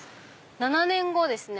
７年後ですね。